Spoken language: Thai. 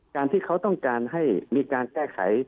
การที่เขาต้องการให้มีการแก้ไข